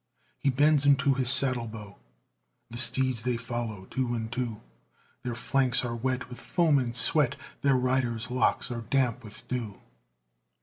He bends unto his saddlebow, The steeds they follow two and two; Their flanks are wet with foam and sweat, Their riders' locks are damp with dew.